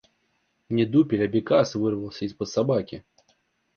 Не дупель, а бекас вырвался из-под собаки.